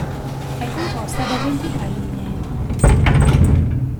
È composta da ventitré linee.